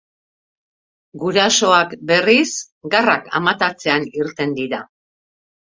Gurasoak, berriz, garrak amatatzean irten dira.